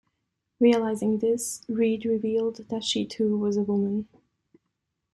Realising this, Read revealed that she too was a woman.